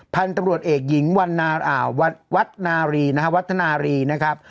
พันธุ์ตำรวจเอกหญิงวัฒนาลีนะครับ